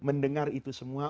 mendengar itu semua